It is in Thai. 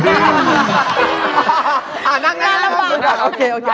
อ่านางงานลำบาก